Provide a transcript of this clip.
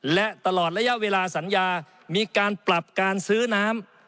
และตลอดระยะเวลาสัญญามีการปรับการซื้อน้ำ